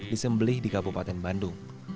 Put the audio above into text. disembeli di kabupaten bandung